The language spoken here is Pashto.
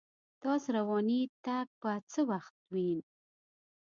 تاس روانیدتک به څه وخت وین